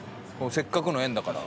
せっかくの縁だから。